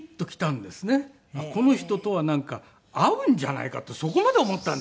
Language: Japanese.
この人とは合うんじゃないかってそこまで思ったんですよ